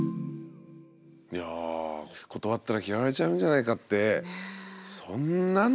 いや断ったら嫌われちゃうんじゃないかってそんなのね。